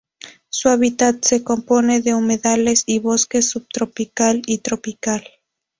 Su hábitat se compone de humedales y bosque subtropical y tropical.